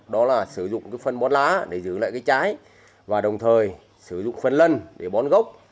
đó là sử dụng phân bón lá để giữ lại cái trái và đồng thời sử dụng phân lân để bón gốc